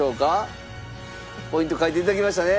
ポイント書いて頂きましたね？